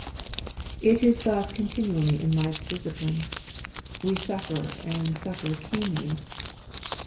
It is thus continually in life's discipline. We suffer, and suffer keenly.